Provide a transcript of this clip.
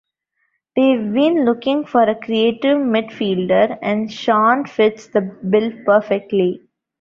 We've been looking for a creative midfielder and Sean fits the bill perfectly.